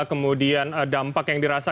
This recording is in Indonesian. kemudian dampak yang dirasa